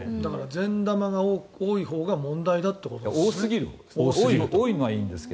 善玉が多いほうが問題だってことなんですね。